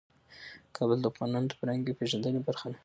کابل د افغانانو د فرهنګي پیژندنې برخه ده.